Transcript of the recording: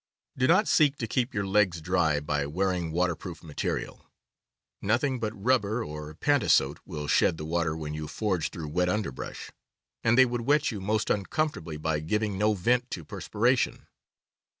Do not seek to keep your legs dry by wearing water proofed material. Nothing but rubber or pantasote J, will shed the water when you forge through wet underbrush, and they would wet you most uncomfortably by giving no vent to per spiration.